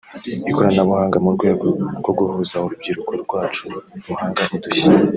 ikoranabuhanga mu rwego rwo guhuza urubyiruko rwacu ruhanga udushya